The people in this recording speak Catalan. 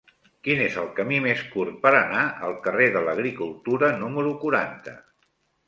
Quin és el camí més curt per anar al carrer de l'Agricultura número quaranta?